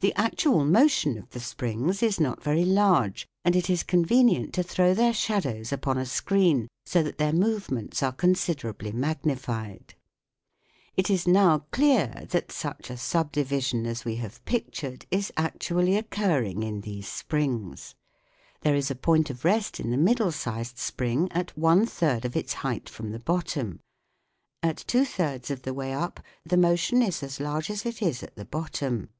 The actual motion of the springs is not very large, and it is convenient to throw their shadows upon a screen, so that their movements are considerably magnified. It is now clear that such a subdivision as we have pictured is actually occurring in these springs. There is a point of rest in the middle sized spring at one third of its height from the bottom ; at two thirds of the way up the motion is as large as it is at the bottom.